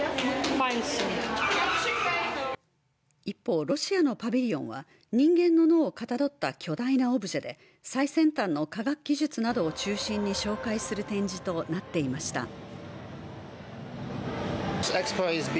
一方、ロシアのパビリオンは人間の脳をかたどった巨大なオブジェで最先端の科学技術などを中心に紹介する展示となっていました。